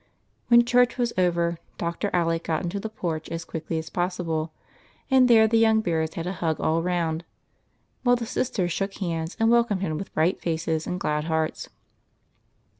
When church was over, Dr. Alec got into the porch as quickly as possible, and there the young bears had a hug all round, Avhile the sisters shook hands and wel comed him with bright faces and glad hearts.